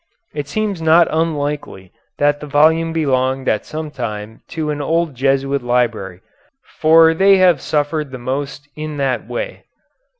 It seems not unlikely that the volume belonged at some time to an old Jesuit library, for they have suffered the most in that way.